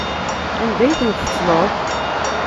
Anda ay ten-tettleḍ?